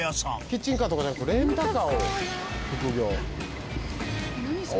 キッチンカーとかじゃなくレンタカーを副業？